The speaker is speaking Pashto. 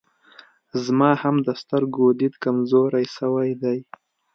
زما هم د سترګو ديد کمزوری سوی دی